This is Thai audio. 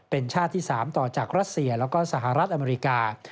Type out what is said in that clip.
เป็นชาติที่๓ต่อจากรัสเซียแล้วก็สหรัฐอเมริกา